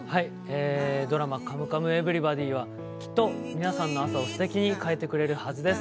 ドラマ「カムカムエヴリバディ」はきっと皆さんの朝をすてきに変えてくれるはずです。